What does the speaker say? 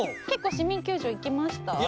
結構市民球場行きました？